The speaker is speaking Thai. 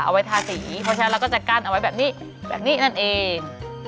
เอาไว้ทาสีเพราะฉะนั้นเราก็จะกั้นเอาไว้แบบนี้แบบนี้นั่นเอง